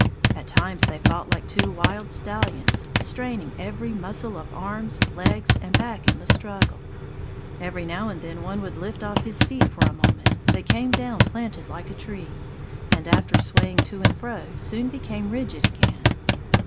At times they fought like two wild stallions, straining every muscle of arms, legs, and back in the struggle. Every now and then one was lifted off his feet for a moment, but came down planted like a tree, and after swaying to and fro soon became rigid again.